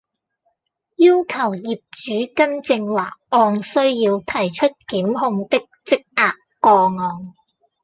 要求業主更正或按需要提出檢控的積壓個案